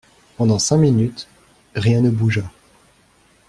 Pendant cinq minutes, rien ne bougea.